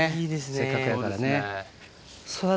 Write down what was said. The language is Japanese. せっかくやからね。ねぇ。